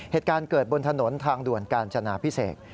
เหตุการณ์เกิดบนถนนทางด่วนกาญจนาพิเศษ